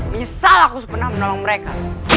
menyesal aku sepenuhnya menolong mereka